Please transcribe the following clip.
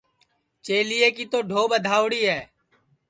چیلیے کی تو ڈھو ٻدھوڑی ہے